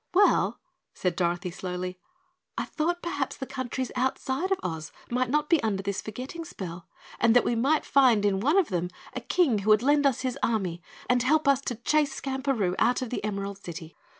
"Well," said Dorothy slowly, "I thought perhaps the countries outside of Oz might not be under this forgetting spell and that we might find in one of them a King who would lend us his army and help us to chase Skamperoo out of the Emerald City.